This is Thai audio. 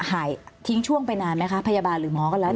หายทิ้งช่วงไปนานไหมคะพยาบาลหรือหมอก็แล้ว